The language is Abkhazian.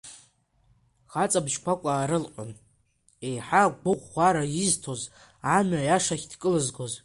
Хаҵа бжьқәак аарылҟьон, еиҳа агәыӷәӷәара изҭоз, амҩа иашахь дкылызгоз.